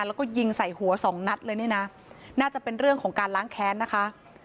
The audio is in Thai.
แล้วก็ยิงใส่หัวสองนัดเลยเนี่ยนะน่าจะเป็นเรื่องของการล้างแค้นนะคะ